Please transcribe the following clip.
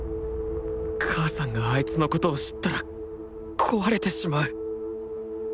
母さんがあいつのことを知ったら壊れてしまう。